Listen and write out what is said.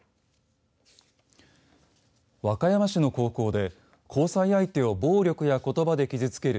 和歌山市の高校で交際相手を暴力やことばで傷つける